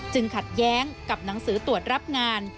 ขัดแย้งกับหนังสือตรวจรับงาน